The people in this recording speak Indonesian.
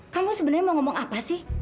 kamu sebenarnya mau ngomong apa sih